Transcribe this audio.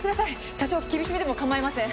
多少厳しめでも構いません。